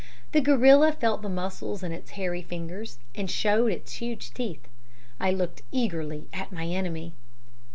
"The gorilla felt the muscles in its hairy fingers, and showed its huge teeth. I looked eagerly at my enemy.